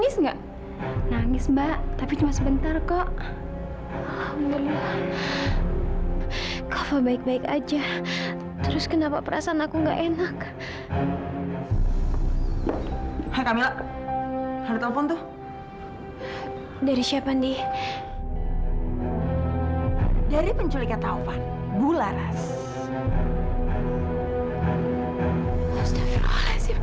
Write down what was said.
sampai jumpa di video selanjutnya